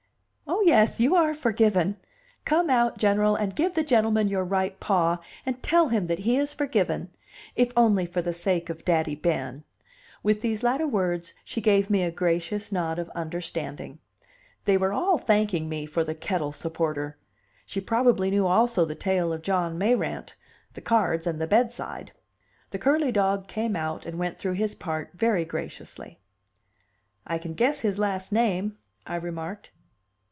"Oh, yes, you are forgiven! Come out, General, and give the gentleman your right paw, and tell him that he is forgiven if only for the sake of Daddy Ben." With these latter words she gave me a gracious nod of understanding. They were all thanking me for the kettle supporter! She probably knew also the tale of John Mayrant, the cards, and the bedside. The curly dog came out, and went through his part very graciously. "I can guess his last name," I remarked.